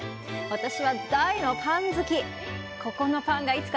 私は大のパン好き。